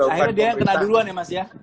akhirnya dia yang kena duluan ya mas ya